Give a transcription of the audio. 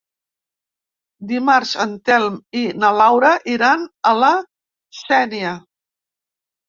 Dimarts en Telm i na Laura iran a la Sénia.